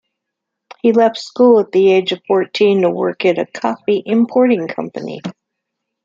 He left school at the age of fourteen to work in a coffee-importing company.